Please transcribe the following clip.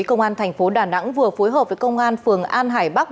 công an thành phố đà nẵng vừa phối hợp với công an phường an hải bắc